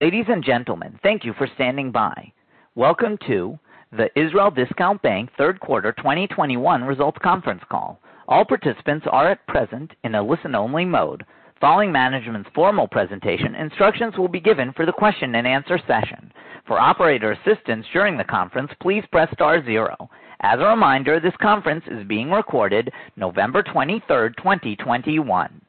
Ladies and gentlemen, thank you for standing by. Welcome to the Israel Discount Bank Q3 2021 results conference call. All participants are at present in a listen-only mode. Following management's formal presentation, instructions will be given for the question and answer session. For operator assistance during the conference, please press star zero. As a reminder, this conference is being recorded November 23, 2021.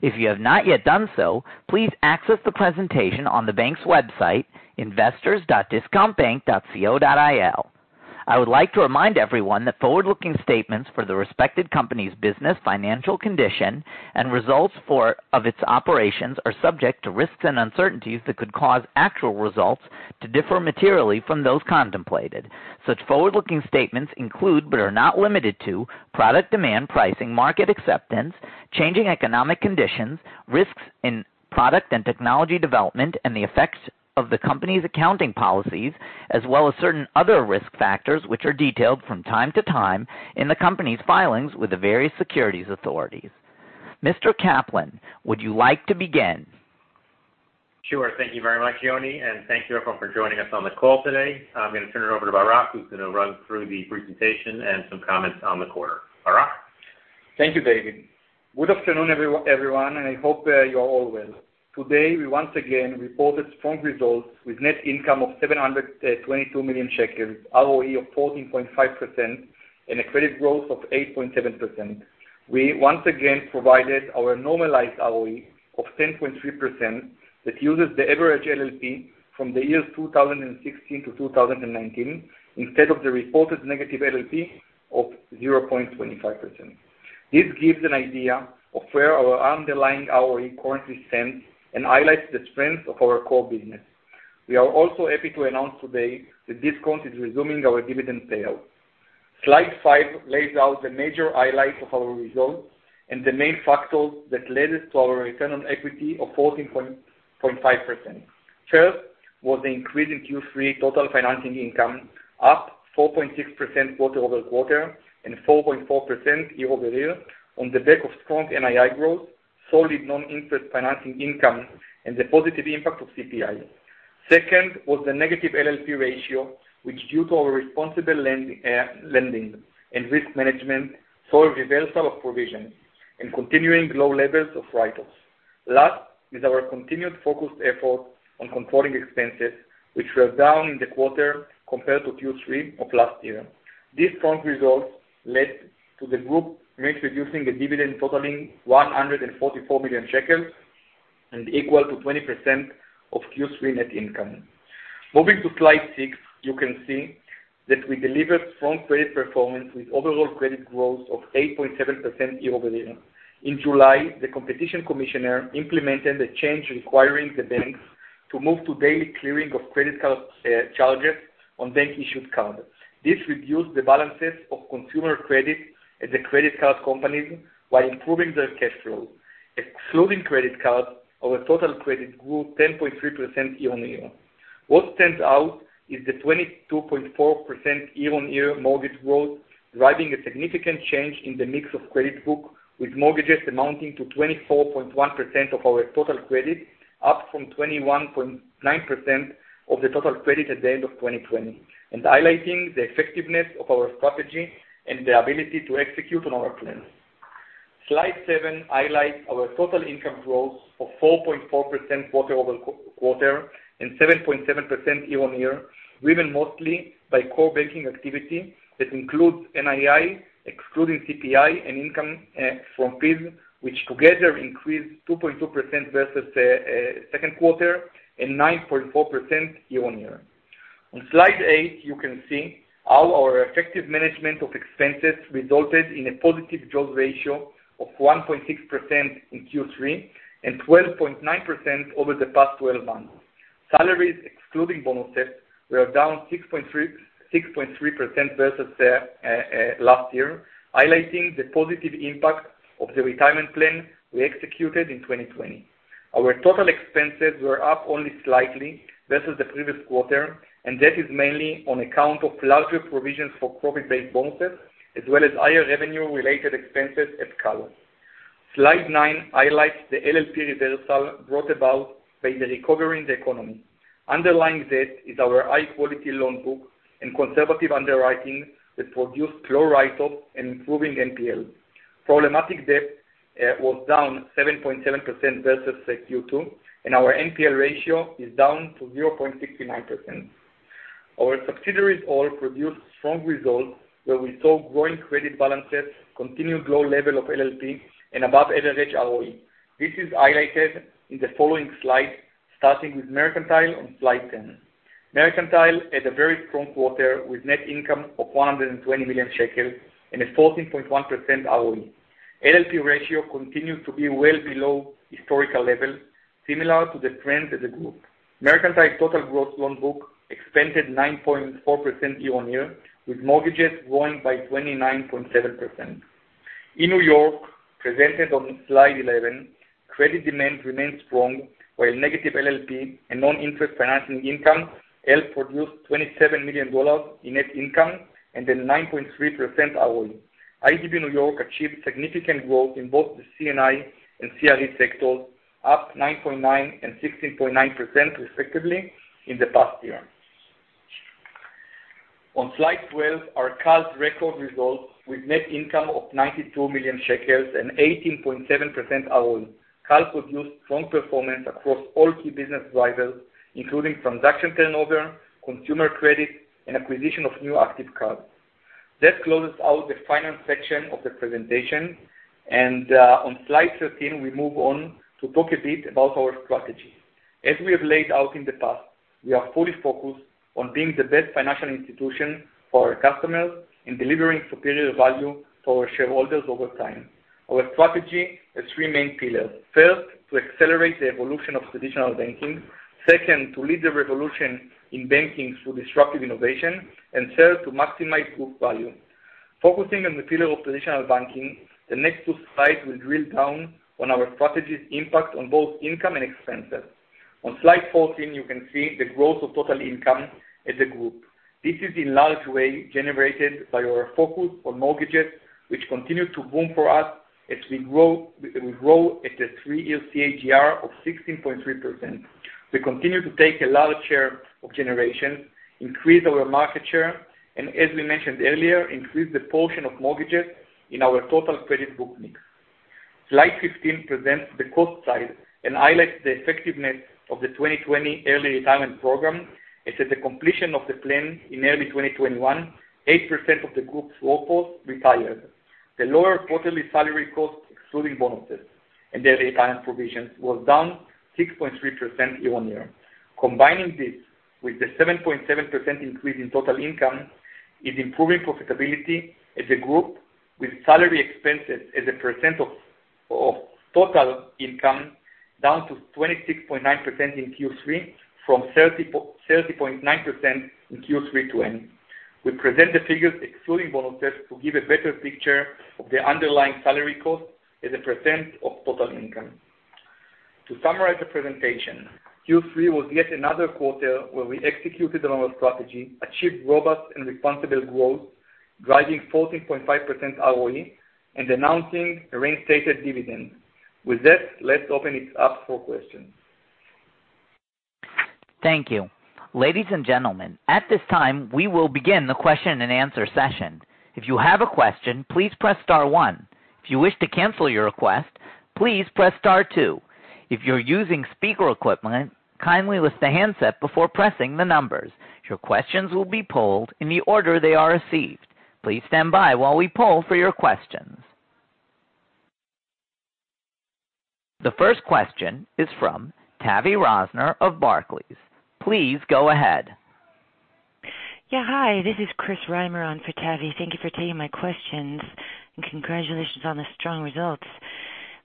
If you have not yet done so, please access the presentation on the bank's website investors.discountbank.co.il. I would like to remind everyone that forward-looking statements for the respective company's business, financial condition, and results of its operations are subject to risks and uncertainties that could cause actual results to differ materially from those contemplated. Such forward-looking statements include, but are not limited to product demand, pricing, market acceptance, changing economic conditions, risks in product and technology development, and the effects of the company's accounting policies, as well as certain other risk factors which are detailed from time to time in the company's filings with the various securities authorities. Mr. Kaplan, would you like to begin? Sure. Thank you very much, Yoni, and thank you everyone for joining us on the call today. I'm going to turn it over to Barak, who's going to run through the presentation and some comments on the quarter. Barak. Thank you, David. Good afternoon, everyone, and I hope you are all well. Today, we once again reported strong results with net income of 722 million shekels, ROE of 14.5%, and a credit growth of 8.7%. We once again provided our normalized ROE of 10.3% that uses the average LLP from the years 2016 to 2019 instead of the reported negative LLP of -0.25%. This gives an idea of where our underlying ROE currently stands and highlights the strength of our core business. We are also happy to announce today that Discount is resuming our dividend payout. Slide 5 lays out the major highlights of our results and the main factors that led us to our return on equity of 14.5%. First was the increase in Q3 total financing income, up 4.6% quarter-over-quarter and 4.4% year-over-year on the back of strong NII growth, solid non-interest financing income, and the positive impact of CPI. Second was the negative LLP ratio, which due to our responsible lending and risk management, saw a reversal of provision and continuing low levels of write-offs. Last is our continued focused effort on controlling expenses, which were down in the quarter compared to Q3 of last year. These strong results led to the group reintroducing a dividend totaling 144 million shekels and equal to 20% of Q3 net income. Moving to slide 6, you can see that we delivered strong credit performance with overall credit growth of 8.7% year-over-year. In July, the Competition Commissioner implemented a change requiring the banks to move to daily clearing of credit card charges on bank-issued cards. This reduced the balances of consumer credit at the credit card companies while improving their cash flow. Excluding credit cards, our total credit grew 10.3% year-on-year. What stands out is the 22.4% year-on-year mortgage growth, driving a significant change in the mix of credit book, with mortgages amounting to 24.1% of our total credit, up from 21.9% of the total credit at the end of 2020, and highlighting the effectiveness of our strategy and the ability to execute on our plans. Slide 7 highlights our total income growth of 4.4% quarter-over-quarter and 7.7% year-on-year, driven mostly by core banking activity that includes NII, excluding CPI and income from fees, which together increased 2.2% versus second quarter and 9.4% year-on-year. On slide 8, you can see how our effective management of expenses resulted in a positive jaws ratio of 1.6% in Q3 and 12.9% over the past 12 months. Salaries, excluding bonuses, were down 6.3% versus last year, highlighting the positive impact of the retirement plan we executed in 2020. Our total expenses were up only slightly versus the previous quarter, and that is mainly on account of larger provisions for profit-based bonuses, as well as higher revenue-related expenses at Card. Slide nine highlights the LLP reversal brought about by the recovery in the economy. Underlying this is our high-quality loan book and conservative underwriting that produced low write-offs and improving NPL. Problematic debt was down 7.7% versus Q2, and our NPL ratio is down to 0.69%. Our subsidiaries all produced strong results where we saw growing credit balances, continued low level of LLP, and above average ROE. This is highlighted in the following slides, starting with Mercantile on slide ten. Mercantile had a very strong quarter with net income of 120 million shekels and a 14.1% ROE. LLP ratio continued to be well below historical levels, similar to the trend as a group. Mercantile total gross loan book expanded 9.4% year-on-year, with mortgages growing by 29.7%. In New York, presented on slide 11, credit demand remained strong, while negative LLP and non-interest financing income helped produce $27 million in net income and a 9.3% ROE. IDB New York achieved significant growth in both the C&I and CRE sectors, up 9.9% and 16.9% respectively in the past year. On slide 12, our card record results with net income of 92 million shekels and 18.7% ROE. Card produced strong performance across all key business drivers, including transaction turnover, consumer credit, and acquisition of new active cards. That closes out the finance section of the presentation. On slide 13, we move on to talk a bit about our strategy. As we have laid out in the past, we are fully focused on being the best financial institution for our customers and delivering superior value for our shareholders over time. Our strategy has three main pillars. First, to accelerate the evolution of traditional banking. Second, to lead the revolution in banking through disruptive innovation. And third, to maximize group value. Focusing on the pillar of traditional banking, the next two slides will drill down on our strategy's impact on both income and expenses. On slide 14, you can see the growth of total income as a group. This is in large way generated by our focus on mortgages, which continue to boom for us as we grow at a three-year CAGR of 16.3%. We continue to take a large share of origination, increase our market share, and as we mentioned earlier, increase the portion of mortgages in our total credit book mix. Slide 15 presents the cost side and highlights the effectiveness of the 2020 early retirement program. As at the completion of the plan in early 2021, 8% of the group's workforce retired. The lower quarterly salary cost, excluding bonuses and early retirement provisions, was down 6.3% year-on-year. Combining this with the 7.7% increase in total income is improving profitability as a group with salary expenses as a percent of total income down to 26.9% in Q3 from 30.9% in Q3 2020. We present the figures excluding bonuses to give a better picture of the underlying salary cost as a percent of total income. To summarize the presentation, Q3 was yet another quarter where we executed on our strategy, achieved robust and responsible growth, driving 14.5% ROE, and announcing a reinstated dividend. With that, let's open it up for questions. Thank you. Ladies and gentlemen, at this time, we will begin the question and answer session. If you have a question, please press star one. If you wish to cancel your request, please press star two. If you're using speaker equipment, kindly lift the handset before pressing the numbers. Your questions will be polled in the order they are received. Please stand by while we poll for your questions. The first question is from Tavy Rosner of Barclays. Please go ahead. Yeah. Hi, this is Chris Reimer on for Tavy. Thank you for taking my questions, and congratulations on the strong results.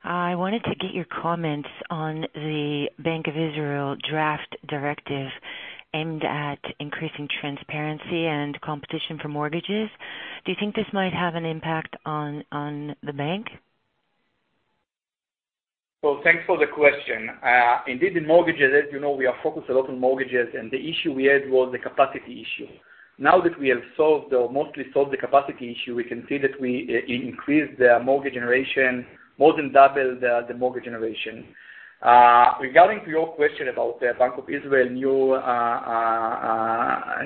I wanted to get your comments on the Bank of Israel draft directive aimed at increasing transparency and competition for mortgages. Do you think this might have an impact on the bank? Thanks for the question. Indeed, in mortgages, as you know, we are focused a lot on mortgages, and the issue we had was the capacity issue. Now that we have solved or mostly solved the capacity issue, we can see that we increased the mortgage generation, more than doubled the mortgage generation. Regarding to your question about the Bank of Israel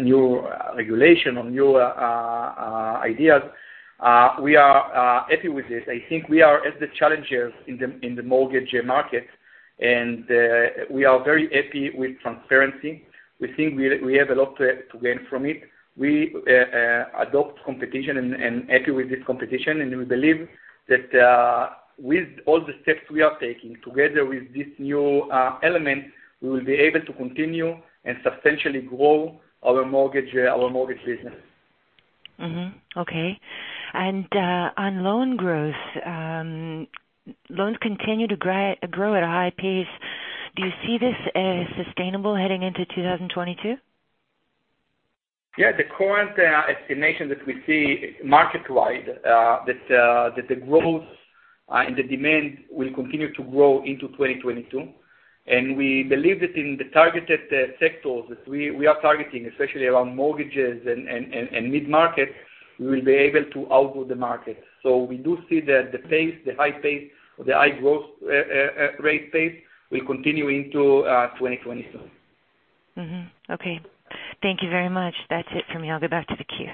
new regulation or new ideas, we are happy with this. I think we are as the challengers in the mortgage market, and we are very happy with transparency. We think we have a lot to gain from it. We adapt to competition and are happy with this competition, and we believe that, with all the steps we are taking together with this new element, we will be able to continue and substantially grow our mortgage business. Mm-hmm. Okay. On loan growth, loans continue to grow at a high pace. Do you see this as sustainable heading into 2022? Yeah. The current estimation that we see market-wide, that the growth and the demand will continue to grow into 2022. We believe that in the targeted sectors that we are targeting, especially around mortgages and mid-market, we will be able to outdo the market. We do see that the pace, the high pace or the high growth rate pace will continue into 2022. Mm-hmm. Okay. Thank you very much. That's it for me. I'll give back to the queue.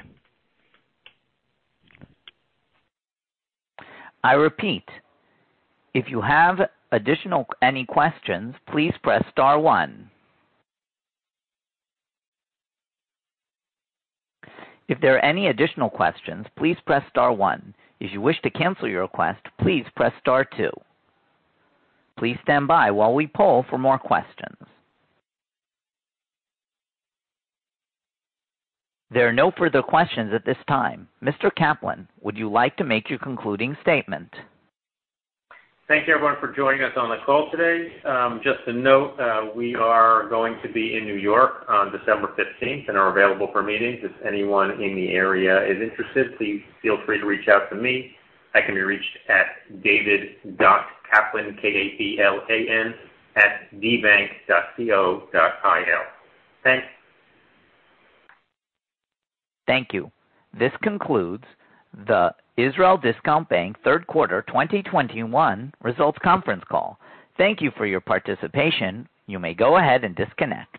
There are no further questions at this time. Mr. Kaplan, would you like to make your concluding statement? Thank you, everyone, for joining us on the call today. Just to note, we are going to be in New York on December fifteenth and are available for meetings. If anyone in the area is interested, please feel free to reach out to me. I can be reached at david.kaplan, K-A-P-L-A-N, @dbank.co.il. Thanks. Thank you. This concludes the Israel Discount Bank Q3 2021 results conference call. Thank you for your participation. You may go ahead and disconnect.